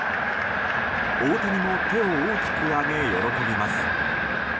大谷も手を大きく上げ喜びます。